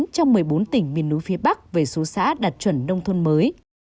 trong một mươi bốn tỉnh miền núi phía bắc về số xã đạt chuẩn nông thôn mới